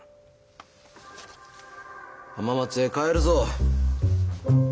浜松へ帰るぞ。